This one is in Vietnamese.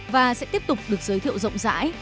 và sẽ tiếp tục được giới thiệu rộng rãi